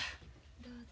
どうぞ。